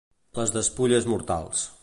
Les despulles mortals.